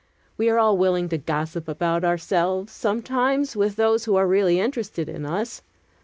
We are all willing to gossip about ourselves, sometimes, with those who are really interested in us.